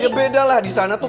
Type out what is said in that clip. ya beda lah disana tuh